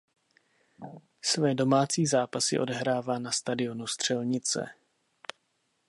Své domácí zápasy odehrává na stadionu Střelnice.